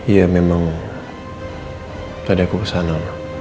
iya memang tadi aku kesana